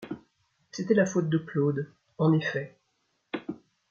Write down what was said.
C’était la faute de Claude en effet !